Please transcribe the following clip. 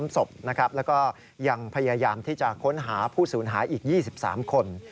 ๓ศพนะครับแล้วก็ยังพยายามที่จะค้นหาผู้สูญหายอีก๒๓คน